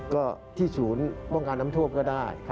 ก็ที่ศูนย์ป้องกันน้ำท่วมก็ได้